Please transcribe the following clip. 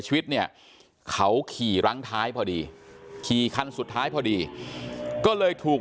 ชีวิตเนี่ยเขาขี่รั้งท้ายพอดีขี่คันสุดท้ายพอดีก็เลยถูก